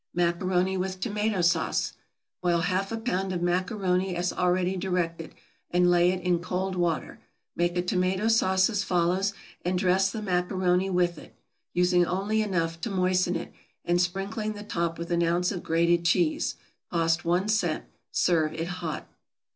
=Macaroni with Tomato Sauce.= Boil half a pound of macaroni as already directed, and lay it in cold water. Make a tomato sauce as follows, and dress the macaroni with it, using only enough to moisten it, and sprinkling the top with an ounce of grated cheese, (cost one cent;) serve it hot.